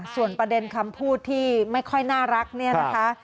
ส่วนประเด็นคำพูดที่ไม่ค่อยน่ารักเนี่ยนะคะ